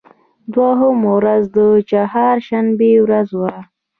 دوهمه ورځ د چهار شنبې ورځ وه.